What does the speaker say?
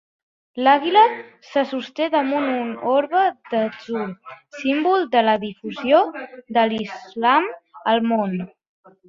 L'àguila se sosté damunt un orbe d'atzur, símbol de la difusió de l'islam al món.